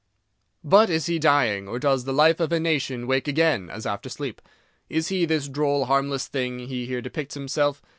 But is he dying—or does the life of a nation wake again, as after sleep? Is he this droll, harmless thing he here depicts himself?